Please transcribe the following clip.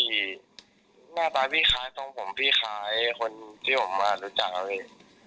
หน้าตาพี่คล้ายตรงผมพี่คล้ายคนที่ผมรู้จักครับพี่